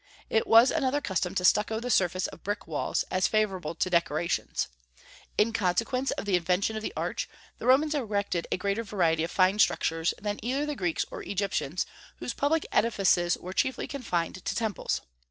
It was another custom to stucco the surface of brick walls, as favorable to decorations. In consequence of the invention of the arch, the Romans erected a greater variety of fine structures than either the Greeks or Egyptians, whose public edifices were chiefly confined to temples.